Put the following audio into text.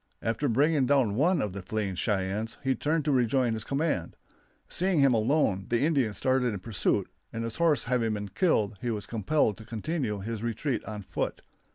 After bringing down one of the fleeing Cheyennes he turned to rejoin his command. Seeing him alone the Indians started in pursuit, and his horse having been killed he was compelled to continue his retreat on foot.